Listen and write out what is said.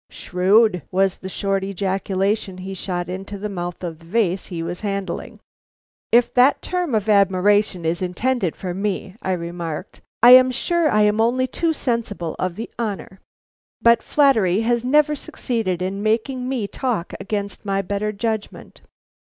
"Shrewd!" was the short ejaculation he shot into the mouth of the vase he was handling. "If that term of admiration is intended for me," I remarked, "I am sure I am only too sensible of the honor. But flattery has never succeeded in making me talk against my better judgment.